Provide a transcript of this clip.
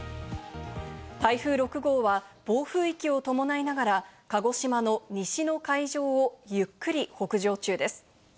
台風６号は暴風域を伴いながら鹿児島の西の海上をゆっくり北上中です。